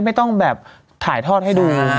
ไม่ต้องแบบถ่ายทอดให้ดู